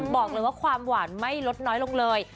บอกเลยว่าความหวานไม่ลดน้อยลงเลย